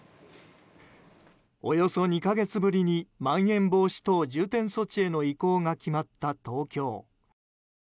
およそ２か月ぶりにまん延防止等重点措置への移行が決まった東京。